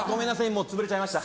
もうつぶれちゃいました。